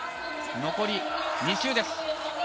残り２周です。